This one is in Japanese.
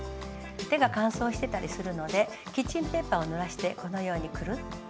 手が乾燥してたりするのでキッチンペーパーを濡らしてこのようにくるっと布を巻いてあげます。